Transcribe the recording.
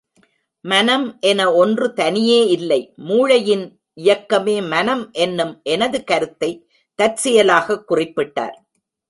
மனம் என ஒன்று தனியே இல்லை மூளையின் இயக்கமே மனம் என்னும் எனது கருத்தைத் தற்செயலாகக் குறிப்பிட்டார்.